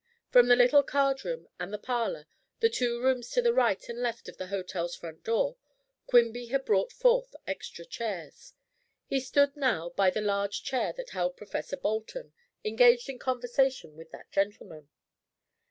From the little card room and the parlor, the two rooms to the right and left of the hotel's front door, Quimby had brought forth extra chairs. He stood now by the large chair that held Professor Bolton, engaged in conversation with that gentleman.